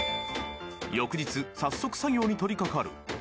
［翌日早速作業に取り掛かる］